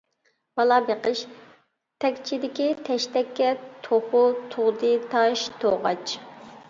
بالا بېقىش تەكچىدىكى تەشتەككە، توخۇ تۇغدى تاش توغاچ.